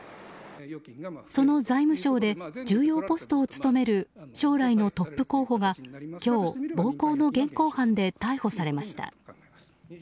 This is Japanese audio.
その財務省で重要ポストを務める将来のトップ候補が今日、暴行の現行犯で逮捕されました。